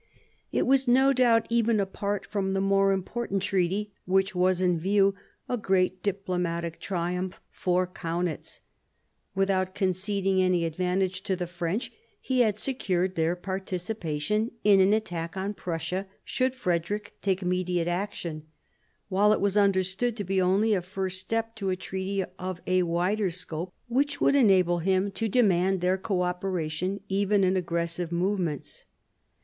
It was no doubt, even apart from the more important treaty which was in view, a great diplomatic triumph for Kaunitz. Without conceding any advantage to the French, he had secured their participation in an attack on Prussia should Frederick take immediate action ; while it was understood to be only a first step to a treaty of a wider scope which would enable him 1756 7 CHANGE OF ALLIANCES 117 to demand their co operation even in aggressive movements.